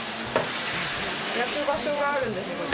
焼く場所があるんですね